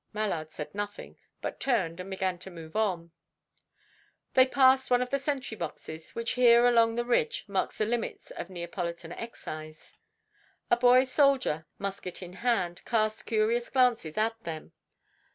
Mallard said nothing, but turned and began to move on. They passed one of the sentry boxes which here along the ridge mark the limits of Neapolitan excise; a boy soldier, musket in hand, cast curious glances at them.